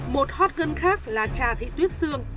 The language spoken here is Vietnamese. một hot girl khác là trà thị tuyết sương